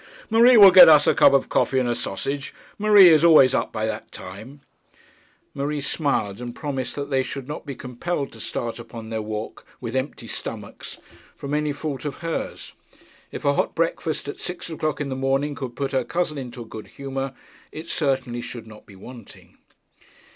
'Marie will get us a cup of coffee and a sausage. Marie is always up by that time.' Marie smiled, and promised that they should not be compelled to start upon their walk with empty stomachs from any fault of hers. If a hot breakfast at six o'clock in the morning could put her cousin into a good humour, it certainly should not be wanting.